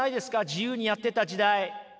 自由にやってた時代。